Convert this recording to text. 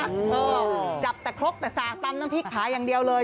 เจ้าจับแต่ครบแต่สาตำต้องพลิกขายังเดียวเลย